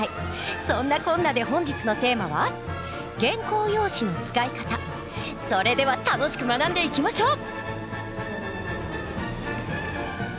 そんなこんなで本日のテーマはそれでは楽しく学んでいきましょう。